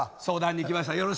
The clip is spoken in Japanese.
相談に来ました。